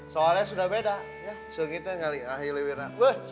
soalnya sudah beda segitnya gak ahiliwira